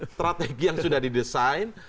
strategi yang sudah didesain